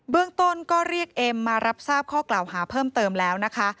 เรื่องต้นก็เรียกเอ็มมารับทราบข้อกล่าวหาเพิ่มเติมแล้วนะคะ